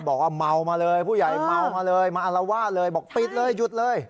บอกว่าเมามาเลยผู้ใหญ่เมามาเลยมาอารวาสเลยบอกปิดเลยหยุดเลย